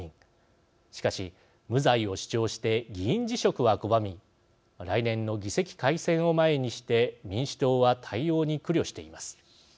しかし無罪を主張して議員辞職は拒み来年の議席改選を前にして民主党は対応に苦慮しています。